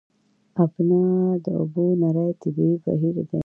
ابنا د اوبو نری طبیعي بهیر دی.